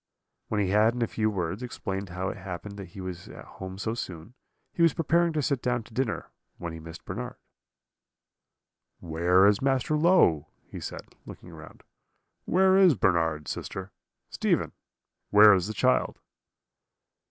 "When he had, in a few words, explained how it happened that he was at home so soon, he was preparing to sit down to dinner, when he missed Bernard. "'Where is Master Low?' he said, looking round. 'Where is Bernard, sister? Stephen, where is the child?'